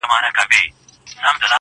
خو یو بل وصیت هم سپي دی راته کړی,